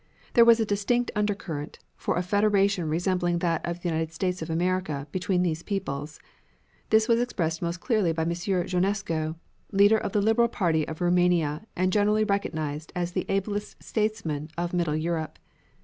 There was a distinct undercurrent, for a federation resembling that of the United States of America between these peoples. This was expressed most clearly by M. Jonesco, leader of the Liberal party of Roumania and generally recognized as the ablest statesman of middle Europe.